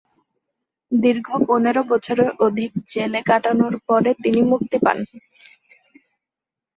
দীর্ঘ পনের বছরের অধিক জেলে কাটানোর পরে তিনি মুক্তি পান।